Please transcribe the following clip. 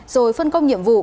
rồi phân công nhiệm vụ